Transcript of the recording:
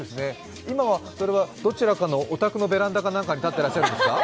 今はどちらかのお宅のベランダか何かに立ってらっしゃるんですか？